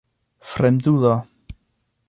Fremdulo!